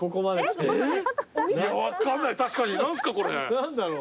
何だろう？